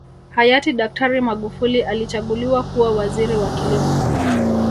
Hayati daktari Magufuli alichaguliwa kuwa Waziri wa kilimo